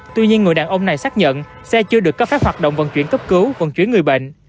tuy nhiên người đàn ông này xác nhận xe chưa được cấp phép hoạt động vận chuyển cấp cứu vận chuyển người bệnh